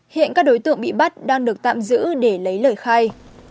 hiện các đối tượng bị bắt đang được tạm giữ để lấy lời khai